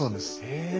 へえ。